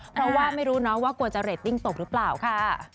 เพราะว่าไม่รู้นะว่ากลัวจะเรตติ้งตกหรือเปล่าค่ะ